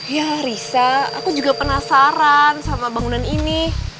ya risa aku juga penasaran sama bangunan ini